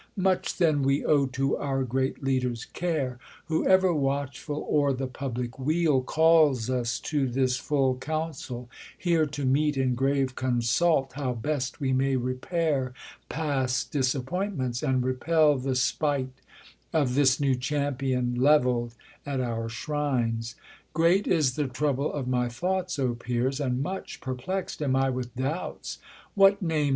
Much then we owe to our great leader's care, Who, ever watchful o'er the public weal, Calls us to this full council, here to meet In grave consult how best we may repair Past disappointments, and repel the spite Of this new Champion, levelPd at our shrines. Great is the trouble of my thoughts, O peers, And much perplex'd am I with douks, what name.